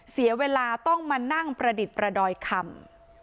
เสียเวลาต้องมานั่งประดิษฐ์ประดอยคำ